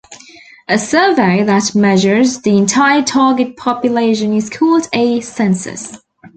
A survey that measures the entire target population is called a census.